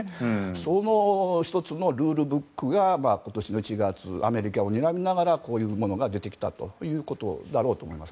その１つのルールブックが今年の１月アメリカをにらみながらこういうものが出てきたんだろうと思います。